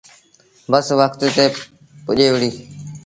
بس وکت تي پُڄي وُهڙي۔